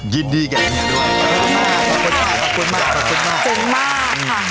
ยินดีแกเนี่ยด้วยขอบคุณมากขอบคุณมากขอบคุณมาก